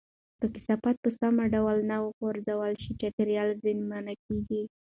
که کثافات په سم ډول نه غورځول شي، چاپیریال زیانمن کېږي.